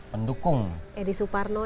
pendukung edi suparno